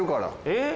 えっ？